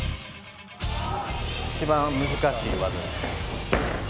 一番難しい技です。